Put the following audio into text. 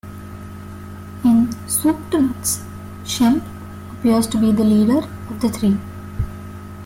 In "Soup To Nuts", Shemp appears to be the "leader" of the three.